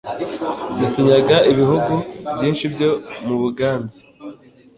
zitunyaga ibihugu byinshi byo mu Buganza,